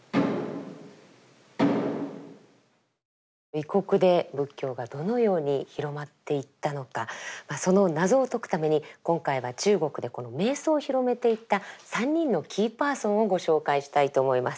異国で仏教がどのように広まっていったのかその謎を解くために今回は中国でこの瞑想を広めていった３人のキーパーソンをご紹介したいと思います。